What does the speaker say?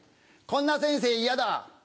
こんな先生嫌だ。